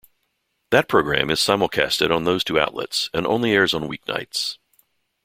That program is simulcasted on those two outlets and only airs on weeknights.